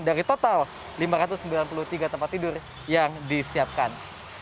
dari total lima ratus sembilan puluh tiga tempat tidur yang disiapkan